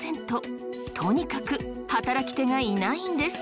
とにかく働き手がいないんです。